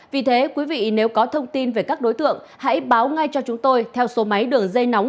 vì thế quý vị nếu có thông tin về các đối tượng hãy báo ngay cho chúng tôi theo số máy đường dây nóng